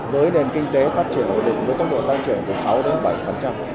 với nền kinh tế phát triển ổn định với tốc độ tăng trưởng của sáu bảy